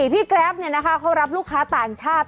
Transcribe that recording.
พี่แกรฟเนี่ยนะคะเขารับลูกค้าต่างชาติ